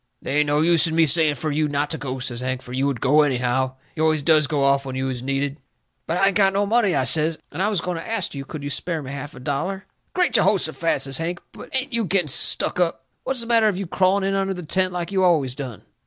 "They ain't no use in me saying fur you not to go," says Hank, "fur you would go anyhow. You always does go off when you is needed." "But I ain't got no money," I says, "and I was going to ast you could you spare me half a dollar?" "Great Jehosephat!" says Hank, "but ain't you getting stuck up! What's the matter of you crawling in under the tent like you always done?